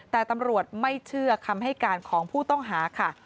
แต่ตำรวจไม่เชื่อคำให้การของผู้ต้องหาค่ะ